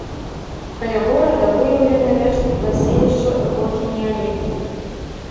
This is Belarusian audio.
Каля горада выяўлены рэшткі паселішчаў эпохі неаліту.